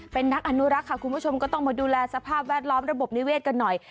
เป็นนักอนุรักษ์ค่ะคุณผู้ชมก็ต้องมาดูแลสภาพแวดล้อมระบบนิเวศกันหน่อย